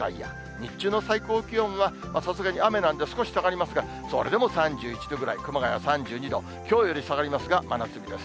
日中の最高気温は、さすがに雨なんで少し下がりますが、それでも３１度ぐらい、熊谷３２度、きょうより下がりますが、真夏日です。